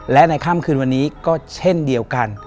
และในค่ำคืนวันนี้ก็เช่นเดียวกัน